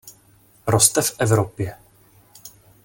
Roste v Evropě.